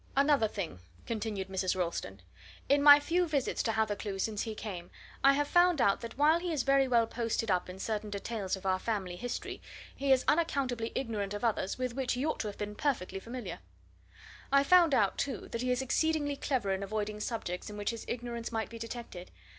"Another thing," continued Mrs. Ralston: "in my few visits to Hathercleugh since he came, I have found out that while he is very well posted up in certain details of our family history, he is unaccountably ignorant of others with which he ought to have been perfectly familiar. I found out, too, that he is exceedingly clever in avoiding subjects in which his ignorance might be detected.